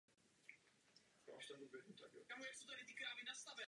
Pozemek školy se nachází na levém břehu řeky Orlice.